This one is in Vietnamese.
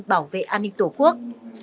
bảo vệ an ninh tổ quốc